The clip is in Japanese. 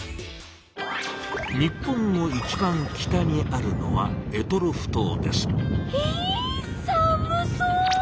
日本のいちばん北にあるのはひ寒そう。